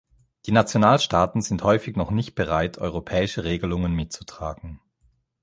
Die Nationalstaaten sind häufig noch nicht bereit, europäische Regelungen mitzutragen.